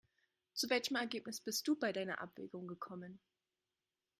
Zu welchem Ergebnis bist du bei deiner Abwägung gekommen?